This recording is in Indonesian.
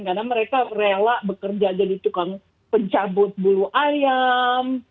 karena mereka rela bekerja jadi tukang pencabut bulu ayam